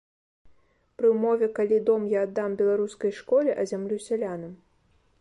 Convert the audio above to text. Пры ўмове, калі дом я аддам беларускай школе, а зямлю сялянам?